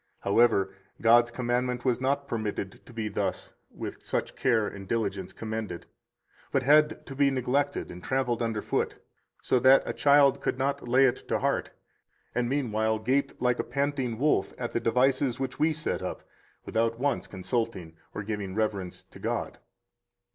However, God's commandment was not permitted to be thus [with such care and diligence] commended, but had to be neglected and trampled under foot, so that a child could not lay it to heart, and meanwhile gaped [like a panting wolf] at the devices which we set up, without once [consulting or] giving reverence to God.